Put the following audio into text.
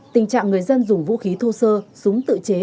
tình trạng người dân dùng vũ khí thô sơ súng tự chế